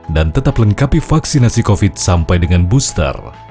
dan tetap lengkapi vaksinasi covid sembilan belas sampai dengan booster